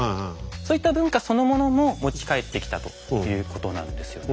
そういった文化そのものも持ち帰ってきたということなんですよね。